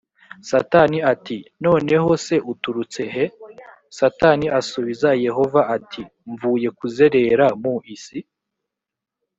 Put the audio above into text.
satani ati noneho se uturutse he satani asubiza yehova ati mvuye kuzerera mu isi